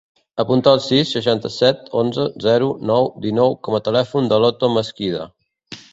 Apunta el sis, seixanta-set, onze, zero, nou, dinou com a telèfon de l'Oto Mesquida.